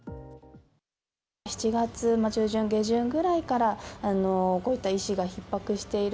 ７月中旬、下旬ぐらいから、こういった医師がひっ迫している。